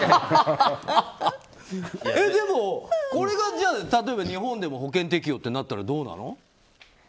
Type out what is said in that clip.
でもこれが例えば、日本でも保険適用となったらどうなの？